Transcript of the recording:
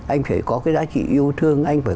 anh phải có cái giá trị yêu thương anh phải